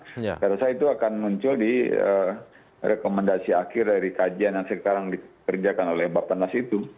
saya rasa itu akan muncul di rekomendasi akhir dari kajian yang sekarang dikerjakan oleh bapak nas itu